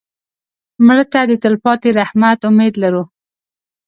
مړه ته د تلپاتې رحمت امید لرو